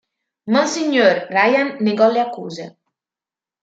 Monsignor Ryan negò le accuse.